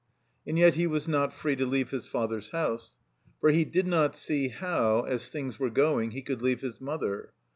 And yet he was not free to leave his father's house; for he did not see how, as things were going, he could leave his mother.